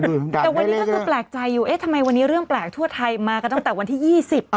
ดูดับได้แต่ก็จะแตกใจอยู่เอไปวันนี้เรื่องแปลกทั่วไทยมาก็ตั้งแต่วันที่๒๐